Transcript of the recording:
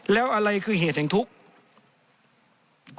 แล้วอะไรคือเหตุแห่งทุกข์